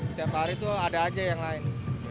setiap hari tuh ada aja yang lain